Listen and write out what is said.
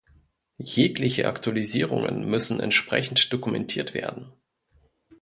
Jegliche Aktualisierungen müssen entsprechend dokumentiert werden.